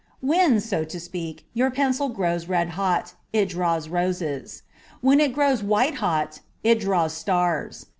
When (so to speak) your pencil grows red hot, it draws roses ; when it grows white hot, it draws stars.